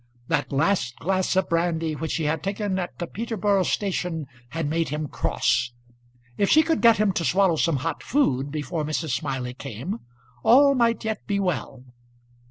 That last glass of brandy which he had taken at the Peterborough station had made him cross. If she could get him to swallow some hot food before Mrs. Smiley came, all might yet be well.